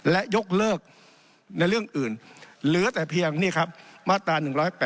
และยกเลิกในเรื่องอื่นหรือแต่เพียงนี่ครับมาตรา๑๘๕